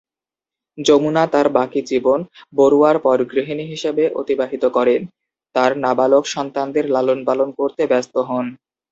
যমুনা তার বাকি জীবন বরুয়ার পর গৃহিণী হিসেবে অতিবাহিত করেন, তার নাবালক সন্তানদের লালন-পালন করতে ব্যস্ত হোন।